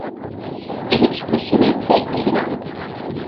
El expresidente y Gral.